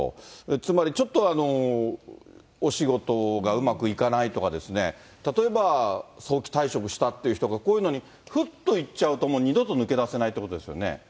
つまりちょっとお仕事がうまくいかないとかですね、例えば早期退職したっていう人がこういうのに、ふっと行っちゃうと、もう二度と抜け出せないということですよね。